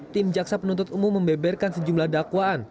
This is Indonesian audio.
tim jaksa penuntut umum membeberkan sejumlah dakwaan